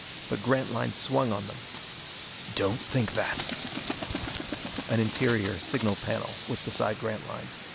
But Grantline swung on them. "Don't think that!" An interior signal panel was beside Grantline.